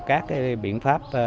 các biện pháp